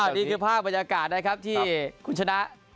นี่คือภาพบรรยากาศนะครับที่คุณชนะ